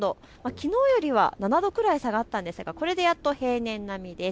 きのうよりは７度くらい下がったんですがこれでやっと平年並みです。